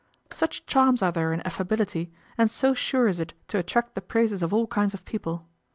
Such charms are there in affability, and so sure is it to attract the praises of all kinds of people.